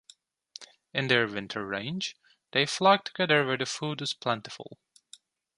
In their winter range, they flock together where food is plentiful.